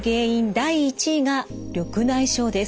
第１位が緑内障です。